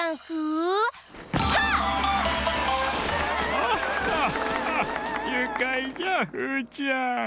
アッハッハッゆかいじゃフーちゃん。